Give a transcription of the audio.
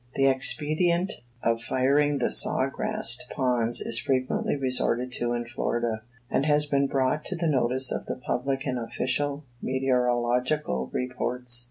The expedient of firing the sawgrass ponds is frequently resorted to in Florida, and has been brought to the notice of the public in official meteorological reports.